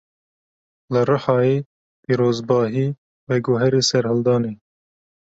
Li Rihayê pîrozbahî, veguherî serhildanê